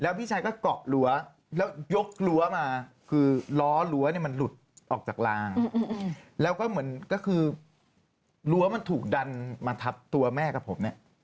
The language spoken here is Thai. พี่ชายก็เกาะรั้วแล้วยกรั้วมาคือล้อรั้วเนี่ยมันหลุดออกจากลางแล้วก็เหมือนก็คือรั้วมันถูกดันมาทับตัวแม่กับผมเนี่ย